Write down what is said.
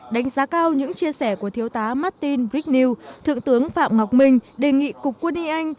đánh giá cao những chia sẻ của thiếu tá martin brignew thượng tướng phạm ngọc minh đề nghị cục quân y anh